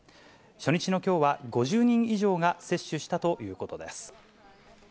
初日のきょうは５０人以上が接種したということです。